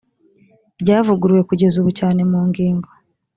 ryavuguruwe kugeza ubu cyane cyane mu ngingo